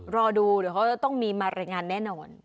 รอดูเดี๋ยวเขาจะต้องมีมารายงานแน่นอน